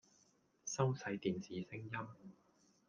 收細電視聲音